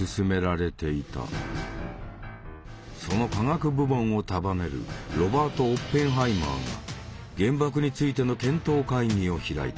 その科学部門を束ねるロバート・オッペンハイマーが原爆についての検討会議を開いた。